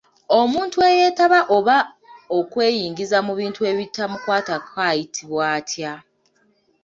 Omuntu eyeetaba oba okweyingiza mu bitamukwatako ayitibwa atya?